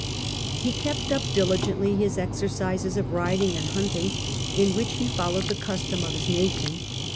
He kept up diligently his exercises of riding and hunting, in which he followed the custom of his nation.